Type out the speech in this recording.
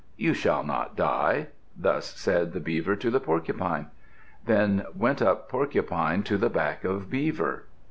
"You shall not die." Thus said the Beaver to the Porcupine. Then went up Porcupine to the back of Beaver.